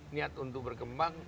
niat untuk berkembang